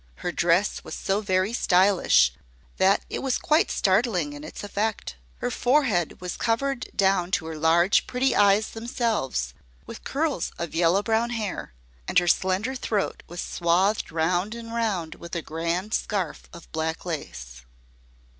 Her dress was so very stylish that it was quite startling in its effect; her forehead was covered down to her large, pretty eyes themselves, with curls of yellow brown hair; and her slender throat was swathed round and round with a grand scarf of black lace.